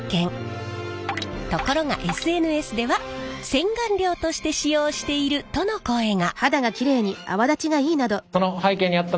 ところがＳＮＳでは洗顔料として使用しているとの声が。